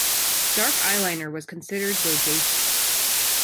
Dark eyeliner was considered bodacious.